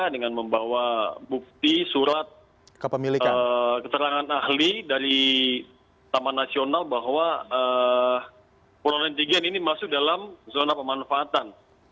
dengan membawa bukti surat keterangan ahli dari taman nasional bahwa corona antigen ini masuk dalam zona pemanfaatan